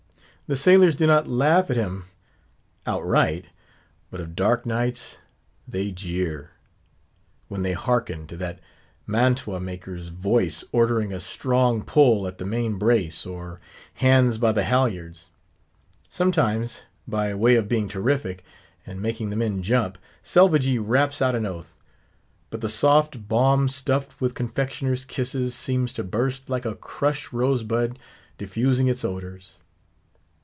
The sailors do not laugh at him outright; but of dark nights they jeer, when they hearken to that mantuamaker's voice ordering a strong pull at the main brace, or hands by the halyards! Sometimes, by way of being terrific, and making the men jump, Selvagee raps out an oath; but the soft bomb stuffed with confectioner's kisses seems to burst like a crushed rose bud diffusing its odours.